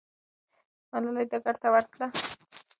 ملالۍ ډګر ته ورتله.